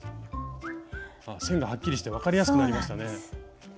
線がはっきりして分かりやすくなりましたね。